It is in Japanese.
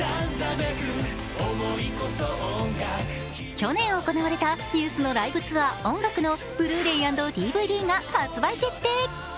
去年行われたＮＥＷＳのライブツアー「音楽」のブルーレイ＆ＤＶＤが発売決定。